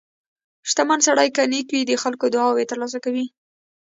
• شتمن سړی که نیک وي، د خلکو دعاوې ترلاسه کوي.